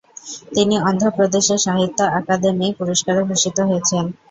তিনি অন্ধ্রপ্রদেশ সাহিত্য আকাদেমি পুরস্কারে ভূষিত হয়েছেন।